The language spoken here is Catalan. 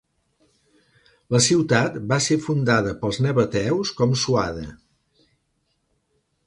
La ciutat va ser fundada pels nabateus com Suada.